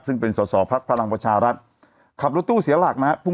ซึ่งเป็นสำสอบภักดิ์พระรังประชารักษณ์ขับรถตู้เสียหลักนะฮะ